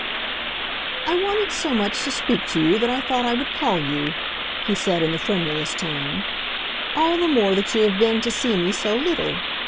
"I wanted so much to speak to you that I thought I would call you," he said, in the friendliest tone. "All the more that you have been to see me so little.